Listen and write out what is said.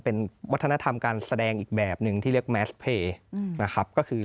เป็นวัฒนธรรมการแสดงอีกแบบหนึ่งที่เรียกแมสเพย์นะครับก็คือ